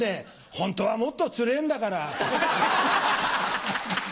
ホントはもっとつれぇんだから。